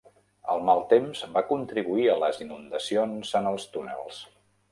El mal temps va contribuir a les inundacions en els túnels.